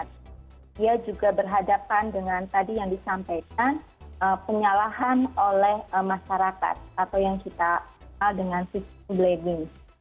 dia juga berhadapan dengan tadi yang disampaikan penyalahan oleh masyarakat atau yang kita kenal dengan sistem blaming